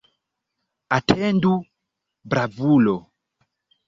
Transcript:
Atendu, bravulo!